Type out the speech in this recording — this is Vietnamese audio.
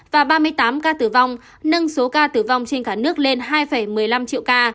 và ba mươi tám ca tử vong nâng số ca tử vong trên cả nước lên hai một mươi năm triệu ca